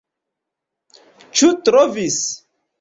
Ĉu trovis?